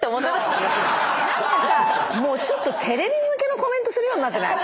もうちょっとテレビ向けのコメントするようになってない？